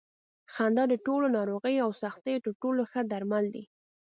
خندا د ټولو ناروغیو او سختیو تر ټولو ښه درمل دي.